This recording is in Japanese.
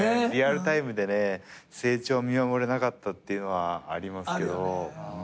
リアルタイムで成長見守れなかったっていうのはありますけど。